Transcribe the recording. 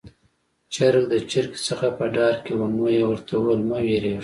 چرګ د چرګې څخه په ډار کې وو، نو يې ورته وويل: 'مه وېرېږه'.